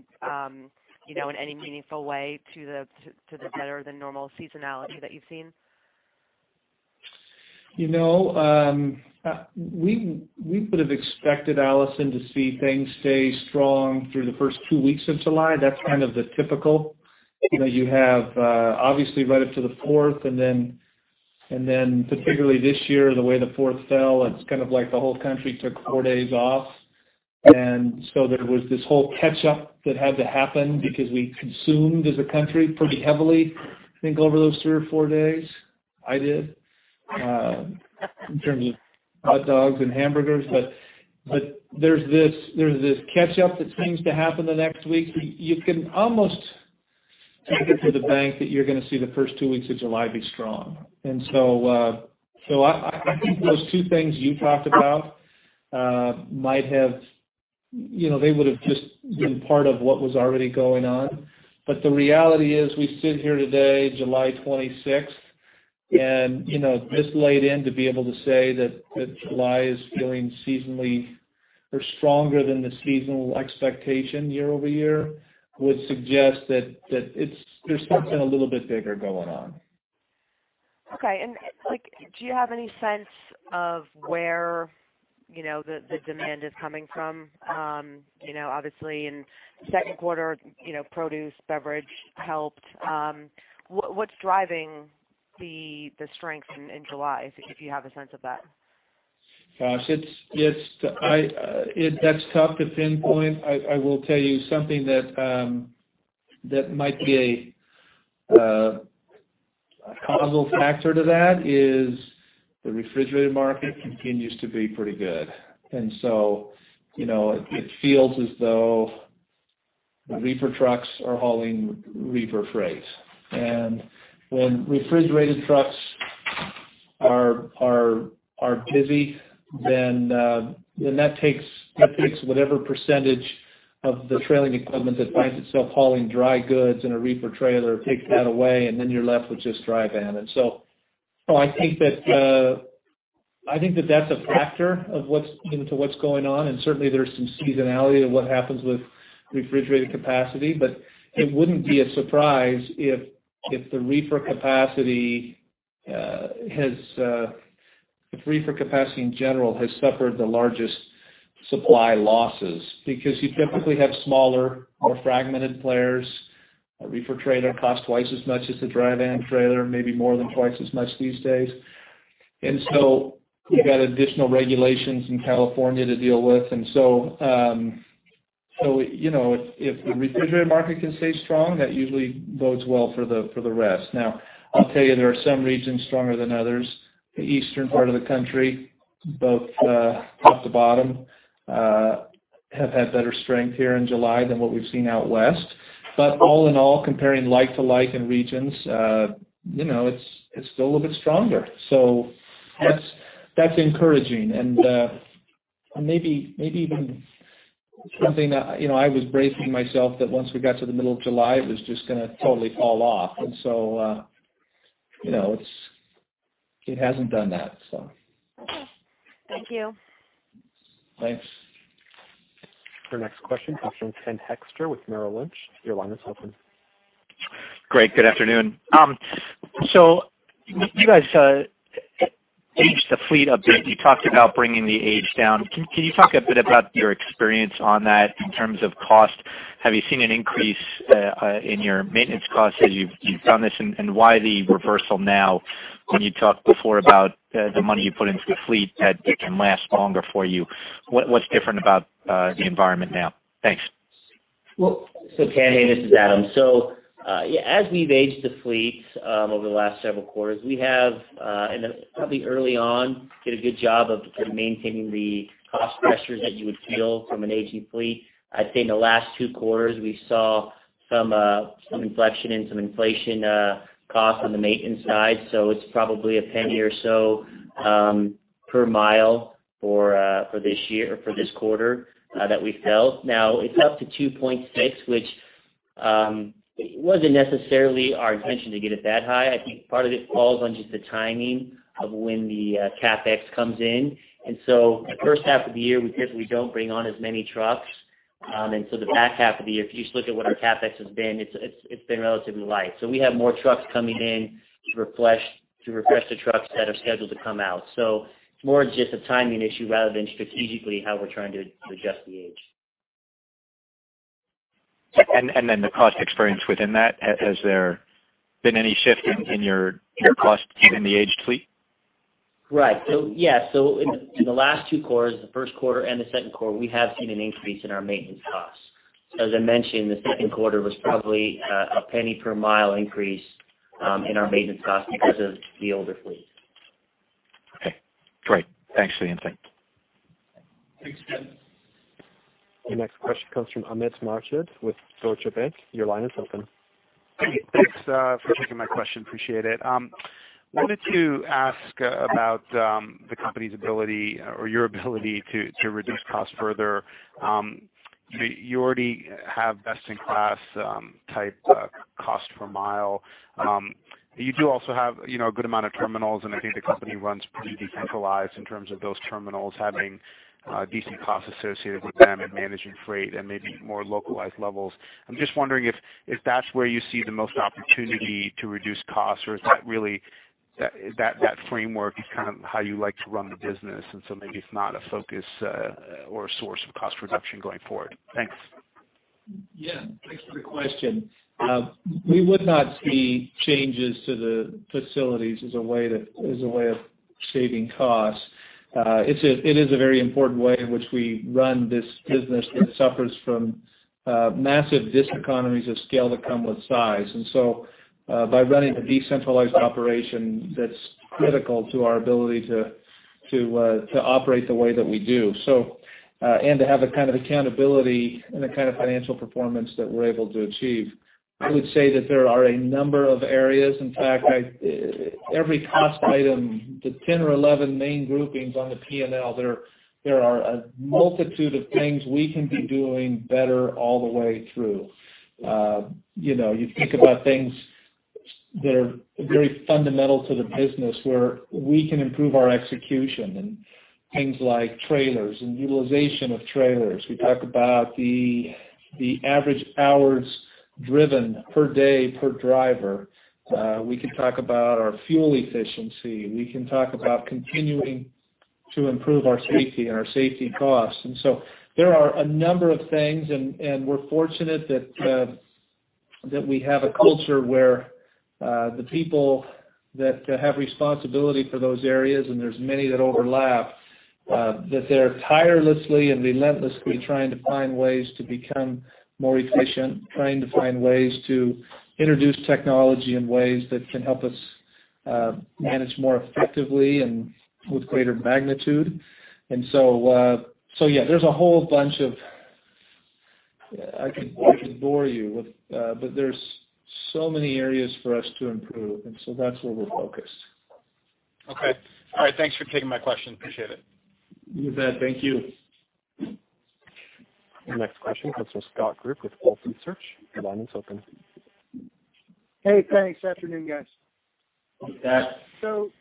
you know, in any meaningful way to the better than normal seasonality that you've seen? You know, we would have expected, Allison, to see things stay strong through the first two weeks of July. That's kind of the typical. You know, you have, obviously right up to the fourth, and then, and then particularly this year, the way the fourth fell, it's kind of like the whole country took four days off. And so there was this whole catch up that had to happen because we consumed, as a country, pretty heavily, I think, over those three or four days. I did, in terms of hot dogs and hamburgers. But, but there's this, there's this catch up that seems to happen the next week. You, you can almost take it to the bank that you're going to see the first two weeks of July be strong. And so, so I think those two things you talked about might have... You know, they would have just been part of what was already going on. But the reality is, we sit here today, July twenty-sixth, and, you know, this late in, to be able to say that July is feeling seasonally or stronger than the seasonal expectation year-over-year, would suggest that there's something a little bit bigger going on. Okay. And, like, do you have any sense of where, you know, the demand is coming from? You know, obviously in the Q2, you know, produce, beverage helped. What's driving the strength in July, if you have a sense of that? Gosh, it's tough to pinpoint. I will tell you something that might be a causal factor to that is the refrigerated market continues to be pretty good. And so, you know, it feels as though the reefer trucks are hauling reefer freight. And when refrigerated trucks are busy, then that takes whatever percentage of the trailing equipment that finds itself hauling dry goods in a reefer trailer, takes that away, and then you're left with just dry van. And so I think that that's a factor of what's, you know, to what's going on, and certainly there's some seasonality to what happens with refrigerated capacity. But it wouldn't be a surprise if reefer capacity in general has suffered the largest supply losses. Because you typically have smaller, more fragmented players. A reefer trailer costs twice as much as a dry van trailer, maybe more than twice as much these days. And so you've got additional regulations in California to deal with. And so, so, you know, if the refrigerated market can stay strong, that usually bodes well for the, for the rest. Now, I'll tell you, there are some regions stronger than others. The eastern part of the country, both top to bottom, have had better strength here in July than what we've seen out west. But all in all, comparing like to like in regions, you know, it's, it's still a little bit stronger. So that's, that's encouraging. maybe even something that, you know, I was bracing myself that once we got to the middle of July, it was just going to totally fall off. And so, you know, it hasn't done that, so. Okay. Thank you. Thanks. Your next question comes from Ken Hoexter with Merrill Lynch. Your line is open. Great, good afternoon. So you guys aged the fleet a bit. You talked about bringing the age down. Can you talk a bit about your experience on that in terms of cost? Have you seen an increase in your maintenance costs as you've done this, and why the reversal now?... when you talked before about, the money you put into the fleet that it can last longer for you. What, what's different about, the environment now? Thanks. Well, so Ken, hey, this is Adam. So, yeah, as we've aged the fleet, over the last several quarters, we have, and then probably early on, did a good job of kind of maintaining the cost pressures that you would feel from an aging fleet. I'd say in the last two quarters, we saw some inflection and some inflation costs on the maintenance side. So it's probably $0.01 or so per mi for this year, for this quarter, that we felt. Now it's up to 2.6, which, it wasn't necessarily our intention to get it that high. I think part of it falls on just the timing of when the CapEx comes in. And so the first half of the year, we typically don't bring on as many trucks. And so the back half of the year, if you just look at what our CapEx has been, it's been relatively light. So we have more trucks coming in to refresh the trucks that are scheduled to come out. So it's more just a timing issue rather than strategically how we're trying to adjust the age. And then the cost experience within that, has there been any shift in your cost in the aged fleet? Right. So, yeah, so in the last two quarters, the Q1 and the Q2, we have seen an increase in our maintenance costs. As I mentioned, the Q2 was probably $0.01 per mi increase in our maintenance costs because of the older fleet. Okay, great. Thanks for the insight. Thanks, Ken. The next question comes from Amit Mehrotra with Deutsche Bank. Your line is open. Thanks, for taking my question. Appreciate it. Wanted to ask about, the company's ability or your ability to reduce costs further. You already have best-in-class type cost per mi. You do also have, you know, a good amount of terminals, and I think the company runs pretty decentralized in terms of those terminals having decent costs associated with them and managing freight and maybe more localized levels. I'm just wondering if that's where you see the most opportunity to reduce costs, or is that really that framework is kind of how you like to run the business, and so maybe it's not a focus or a source of cost reduction going forward? Thanks. Yeah, thanks for the question. We would not see changes to the facilities as a way of saving costs. It is a very important way in which we run this business that suffers from massive diseconomies of scale that come with size. And so, by running a decentralized operation, that's critical to our ability to operate the way that we do. So, and to have a kind of accountability and the kind of financial performance that we're able to achieve. I would say that there are a number of areas. In fact, every cost item, the 10 or 11 main groupings on the P&L, there are a multitude of things we can be doing better all the way through. You know, you think about things that are very fundamental to the business, where we can improve our execution and things like trailers and utilization of trailers. We talk about the average hours driven per day, per driver. We can talk about our fuel efficiency. We can talk about continuing to improve our safety and our safety costs. And so there are a number of things, and we're fortunate that we have a culture where the people that have responsibility for those areas, and there's many that overlap, that they're tirelessly and relentlessly trying to find ways to become more efficient, trying to find ways to introduce technology in ways that can help us manage more effectively and with greater magnitude. And so, so yeah, there's a whole bunch of... I can, I can bore you with, but there's so many areas for us to improve, and so that's where we're focused. Okay. All right, thanks for taking my question. Appreciate it. You bet. Thank you. Our next question comes from Scott Group with Wolfe Research. Your line is open. Hey, thanks. Afternoon, guys. Hey, Scott. So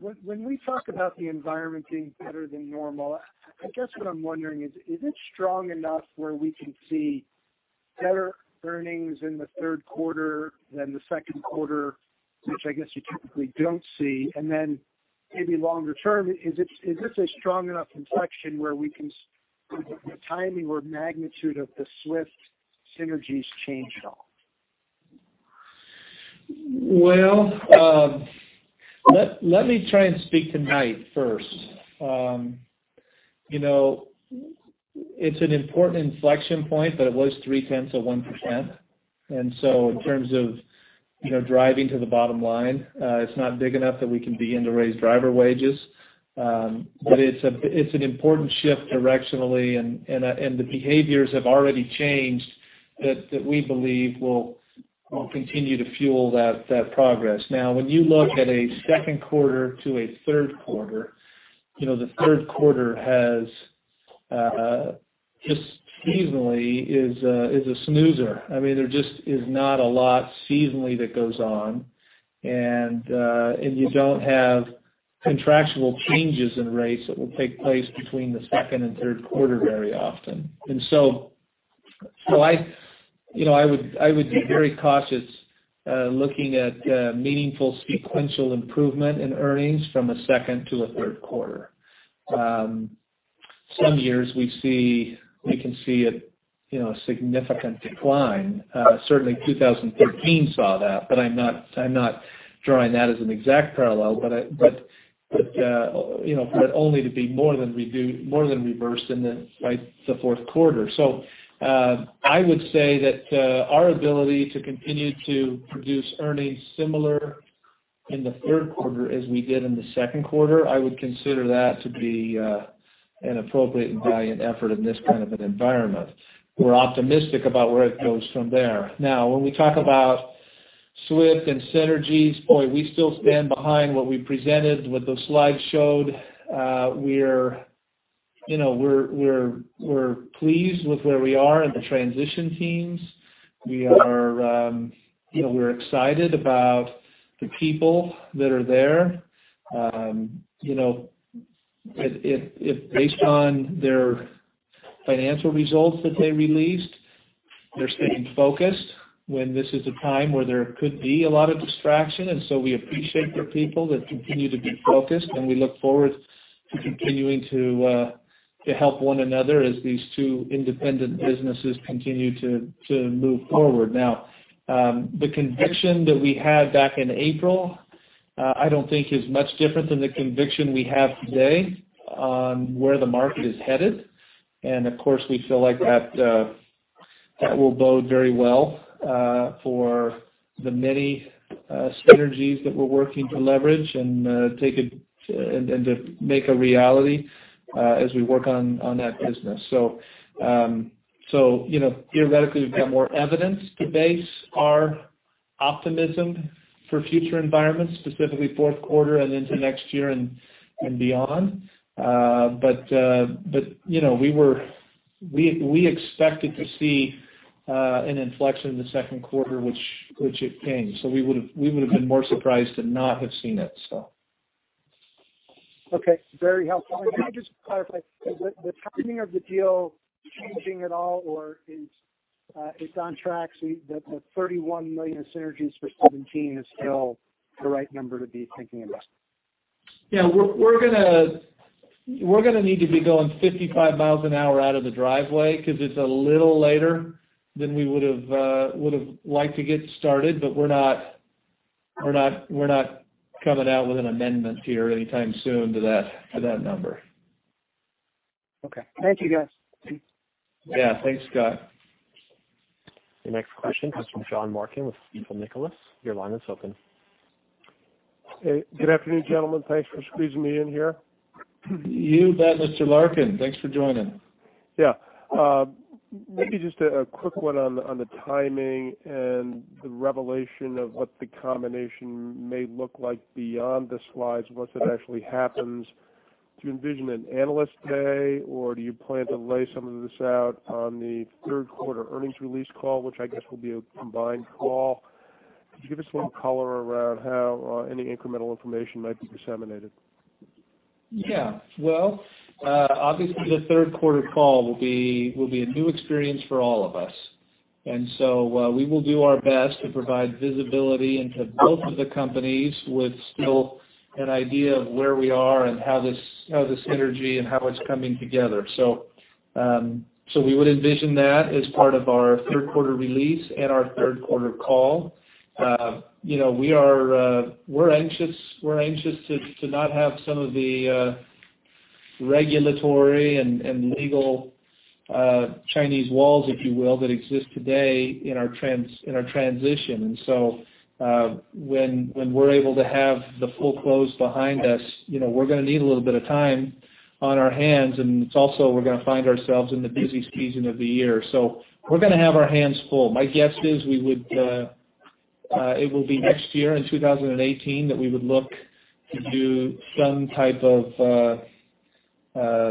when we talk about the environment being better than normal, I guess what I'm wondering is, is it strong enough where we can see better earnings in the Q3 than the Q2, which I guess you typically don't see? And then maybe longer term, is it is this a strong enough inflection where we can, the timing or magnitude of the Swift synergies change at all? Well, let me try and speak tonight first. You know, it's an important inflection point, but it was 0.3%. And so in terms of, you know, driving to the bottom line, it's not big enough that we can begin to raise driver wages. But it's an important shift directionally, and the behaviors have already changed that we believe will continue to fuel that progress. Now, when you look at a Q2 to a Q3, you know, the Q3 has just seasonally is a snoozer. I mean, there just is not a lot seasonally that goes on. And you don't have contractual changes in rates that will take place between the second and Q3 very often. So I, you know, I would be very cautious looking at meaningful sequential improvement in earnings from a second to a Q3. Some years we see, we can see a, you know, a significant decline. Certainly, 2013 saw that, but I'm not, I'm not drawing that as an exact parallel, but, you know, but only to be more than reversed by the Q4. So, I would say that, our ability to continue to produce earnings similar in the Q3 as we did in the Q2, I would consider that to be, an appropriate and valiant effort in this kind of an environment. We're optimistic about where it goes from there. Now, when we talk about Swift and synergies, boy, we still stand behind what we presented, what those slides showed. We're, you know, pleased with where we are at the transition teams. We are, you know, excited about the people that are there. You know, if based on their financial results that they released, they're staying focused when this is a time where there could be a lot of distraction. And so we appreciate the people that continue to be focused, and we look forward to continuing to help one another as these two independent businesses continue to move forward. Now, the conviction that we had back in April, I don't think is much different than the conviction we have today on where the market is headed. And of course, we feel like that, that will bode very well, for the many, synergies that we're working to leverage and, take it and to make a reality, as we work on that business. So, so, you know, theoretically, we've got more evidence to base our optimism for future environments, specifically Q4 and into next year and beyond. But, but, you know, we expected to see an inflection in the Q2, which it came. So we would've, we would have been more surprised to not have seen it, so. Okay, very helpful. Let me just clarify, is the timing of the deal changing at all, or is it on track, so the $31 million of synergies for 2017 is still the right number to be thinking about? Yeah, we're gonna need to be going 55 mi an hour out of the driveway because it's a little later than we would've liked to get started, but we're not coming out with an amendment here anytime soon to that number. Okay. Thank you, guys. Yeah. Thanks, Scott. Your next question comes from John Larkin with Stifel Nicolaus. Your line is open. Hey, good afternoon, gentlemen. Thanks for squeezing me in here. You bet, Mr. Larkin. Thanks for joining. Yeah. Maybe just a quick one on the timing and the revelation of what the combination may look like beyond the slides, once it actually happens. Do you envision an analyst day, or do you plan to lay some of this out on the Q3 earnings release call, which I guess will be a combined call? Could you give us some color around how any incremental information might be disseminated? Yeah. Well, obviously, the Q3r call will be a new experience for all of us, and so, we will do our best to provide visibility into both of the companies with still an idea of where we are and how this synergy and how it's coming together. So, so we would envision that as part of our Q3 release and our Q3 call. You know, we are, we're anxious, we're anxious to not have some of the regulatory and legal Chinese walls, if you will, that exist today in our transition. And so, when, when we're able to have the full close behind us, you know, we're gonna need a little bit of time on our hands, and it's also, we're gonna find ourselves in the busy season of the year. So we're gonna have our hands full. My guess is we would, it will be next year, in 2018, that we would look to do some type of,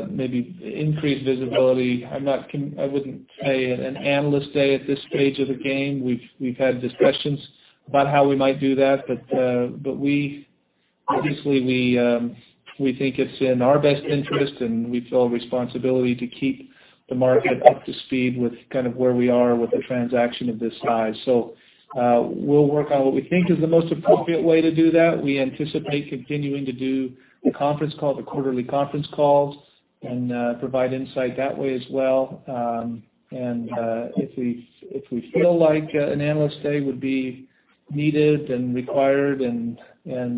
maybe increased visibility. I'm not con-- I wouldn't say an analyst day at this stage of the game. We've, we've had discussions about how we might do that, but, but we obviously, we, we think it's in our best interest, and we feel a responsibility to keep the market up to speed with kind of where we are with a transaction of this size. So, we'll work on what we think is the most appropriate way to do that. We anticipate continuing to do the conference call, the quarterly conference calls, and provide insight that way as well. And if we feel like an analyst day would be needed and required and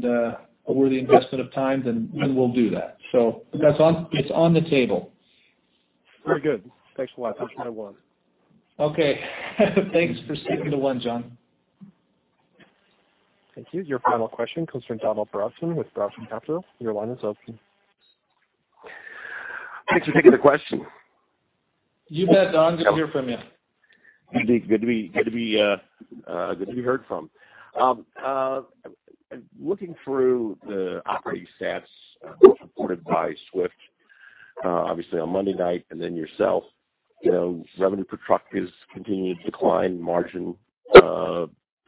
a worthy investment of time, then we will do that. So, it's on the table. Very good. Thanks a lot. That's what I want. Okay. Thanks for sticking to one, John. Thank you. Your final question comes from Donald Broughton with Broughton Capital. Your line is open. Thanks for taking the question. You bet, Don. Good to hear from you. Good to be heard from. Looking through the operating stats as reported by Swift, obviously on Monday night and then yourself, you know, revenue per truck is continuing to decline, margin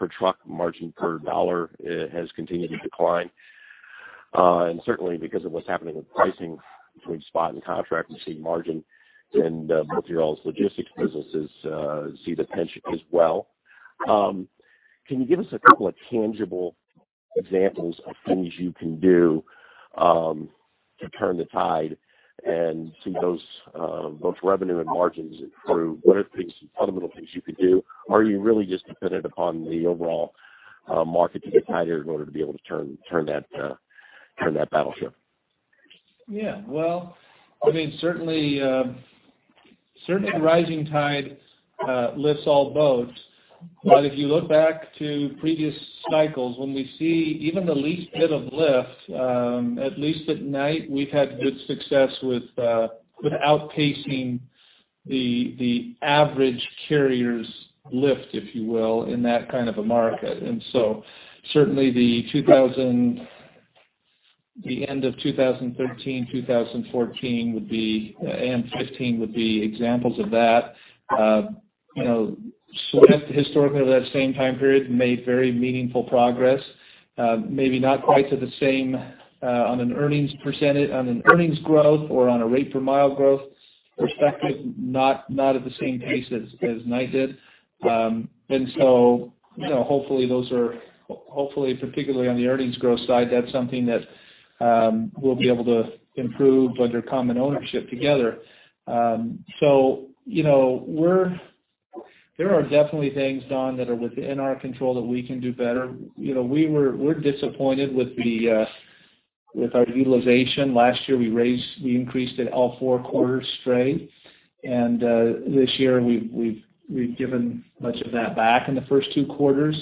per truck, margin per dollar has continued to decline. And certainly because of what's happening with pricing between spot and contract, we're seeing margins-... and both of y'all's logistics businesses see the compression as well. Can you give us a couple of tangible examples of things you can do to turn the tide and see those both revenue and margins improve? What are the things, fundamental things you could do? Are you really just dependent upon the overall market to get tighter in order to be able to turn that battleship? Yeah, well, I mean, certainly, certainly rising tide lifts all boats. But if you look back to previous cycles, when we see even the least bit of lift, at least at Knight, we've had good success with, with outpacing the, the average carrier's lift, if you will, in that kind of a market. And so certainly the two thousand... the end of 2013, 2014 would be, and 2015, would be examples of that. You know, Swift, historically, over that same time period, made very meaningful progress. Maybe not quite to the same, on an earnings percentage, on an earnings growth or on a rate per mi growth perspective, not, not at the same pace as, as Knight did. And so, you know, hopefully those are, hopefully particularly on the earnings growth side, that's something that we'll be able to improve under common ownership together. So you know, there are definitely things, Don, that are within our control that we can do better. You know, we're disappointed with our utilization. Last year, we increased it all four quarters straight, and this year, we've given much of that back in the first two quarters.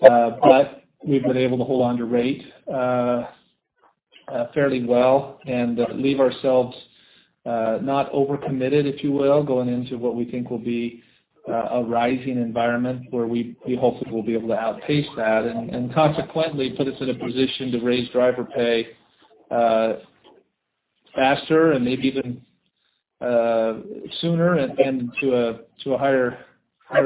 But we've been able to hold on to rate fairly well and leave ourselves not overcommitted, if you will, going into what we think will be a rising environment, where we hopefully will be able to outpace that, and consequently, put us in a position to raise driver pay faster and maybe even sooner and to a higher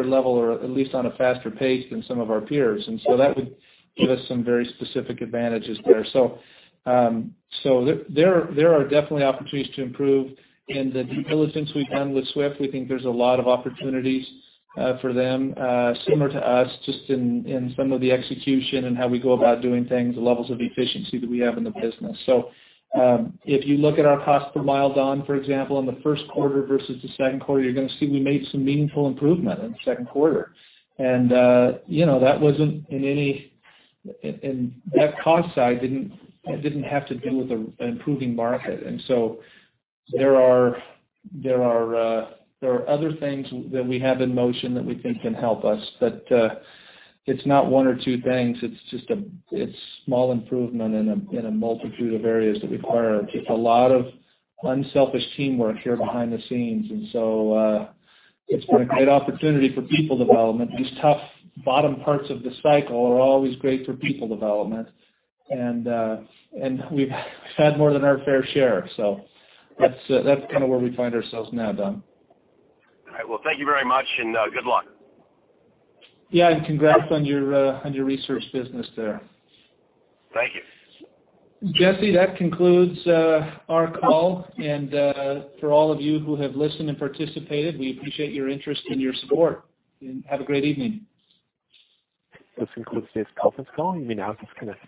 level, or at least on a faster pace than some of our peers. And so that would give us some very specific advantages there. So there are definitely opportunities to improve. In the due diligence we've done with Swift, we think there's a lot of opportunities for them, similar to us, just in some of the execution and how we go about doing things, the levels of efficiency that we have in the business. So, if you look at our cost per mi, Don, for example, in the Q1 versus the Q2, you're going to see we made some meaningful improvement in the Q2. And, you know, that wasn't in any. That cost side didn't have to do with an improving market. And so there are other things that we have in motion that we think can help us. But, it's not one or two things, it's just a small improvement in a multitude of areas that require just a lot of unselfish teamwork here behind the scenes. And so, it's been a great opportunity for people development. These tough bottom parts of the cycle are always great for people development, and we've had more than our fair share. So that's kind of where we find ourselves now, Don. All right. Well, thank you very much, and good luck. Yeah, and congrats on your, on your research business there. Thank you. Jesse, that concludes our call. And, for all of you who have listened and participated, we appreciate your interest and your support, and have a great evening. This concludes today's conference call. You may now disconnect.